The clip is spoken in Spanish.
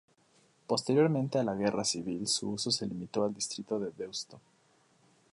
Posteriormente a la Guerra civil su uso se limitó al distrito de Deusto.